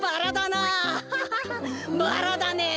バラだねえ。